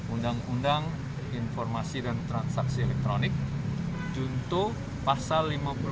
tiga undang undang informasi dan transaksi elektronik juntuh pasal